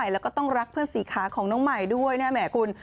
แล้วก็ต้องรักเพื่อนสีขาของน้องใหม่ด้วยนะแหมคุณ